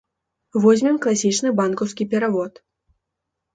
Возьмем класічны банкаўскі перавод.